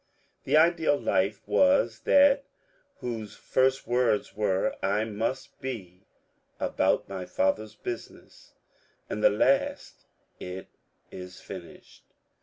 The ideal life was that whose first words were, ^^ I must be about my Father's business," and the last, " It is finished."